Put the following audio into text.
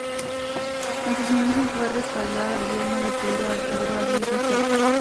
En sus inicios fue respaldada por el gobierno de Pedro Aguirre Cerda.